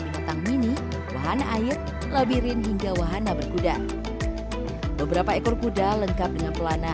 binatang mini wahana air labirin hingga wahana berkuda beberapa ekor kuda lengkap dengan pelana